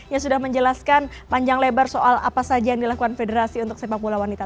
yang sudah menjelaskan panjang lebar soal apa saja yang dilakukan federasi untuk sepak bola wanita